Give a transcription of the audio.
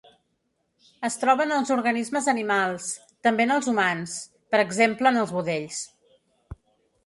Es troba en els organismes animals, també en els humans, per exemple en els budells.